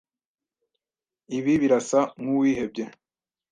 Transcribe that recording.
Ibi birasa nkuwihebye.